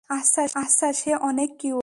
আচ্ছা সে অনেক কিউট।